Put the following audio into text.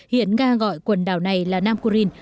hiện nga gọi quần đảo này là nam kurin